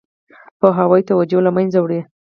پوهاوی توجیه له منځه وړي.